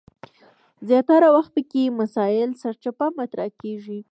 زیاتره وخت پکې مسایل سرچپه مطرح کیږي.